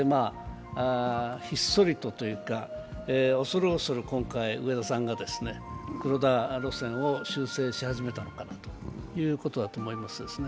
ひっそりとというか、恐る恐る今回、植田さんが黒田路線を修正し始めたのかなということだと思いますね。